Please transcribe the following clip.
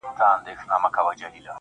مـاتــه يــاديـــده اشـــــنـــا.